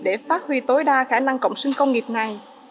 để phát huy tối đa khả năng cộng sinh công nghiệp này